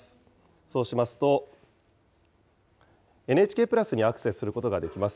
そうしますと、ＮＨＫプラスにアクセスすることができます。